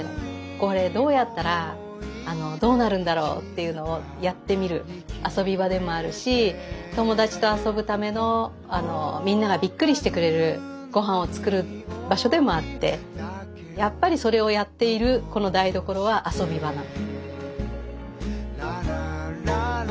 これどうやったらどうなるんだろうっていうのをやってみる遊び場でもあるし友達と遊ぶためのみんながびっくりしてくれるごはんを作る場所でもあってやっぱりそれをやっているこの台所は遊び場なの。